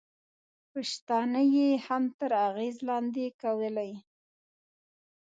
پښتانه یې هم تر اغېزې لاندې کولای.